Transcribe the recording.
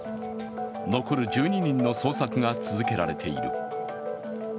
残る１２人の捜索が続けられている。